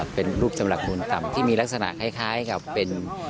เป็นรูปสำหรับมูลต่ำที่มีลักษณะคล้ายกับเป็น